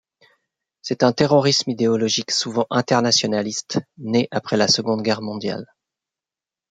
C’est un terrorisme idéologique souvent internationaliste né après la Seconde Guerre mondiale.